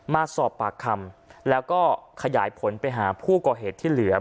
มาสอบปากคำแล้วก็ขยายผลไปหาผู้ก่อเหตุที่เหลือ